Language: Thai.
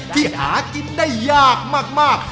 ที่หากินได้ยากมาก